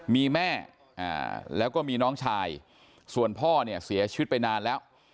มีแม่แล้วก็มีน้องชายส่วนพ่อเนี่ยเสียชีวิตไปนานแล้ว